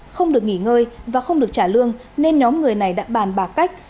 không được nghỉ ngơi và không được trả lương nên nhóm người này đã bàn bạc cách